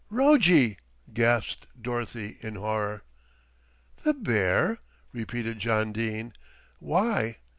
'" "Rojjie!" gasped Dorothy in horror. "The bear?" repeated John Dene. "Why?"